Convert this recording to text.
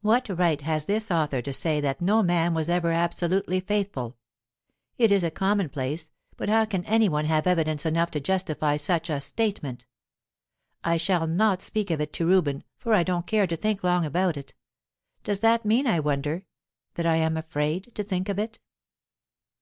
What right has this author to say that no man was ever absolutely faithful? It is a commonplace, but how can any one have evidence enough to justify such a statement? I shall not speak of it to Reuben, for I don't care to think long about it. Does that mean, I wonder, that I am afraid to think of it?